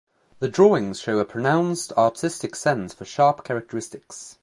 The drawings show a pronounced artistic sense for sharp characteristics.